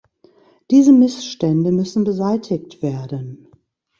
Diese Missstände müssen beseitigt werden.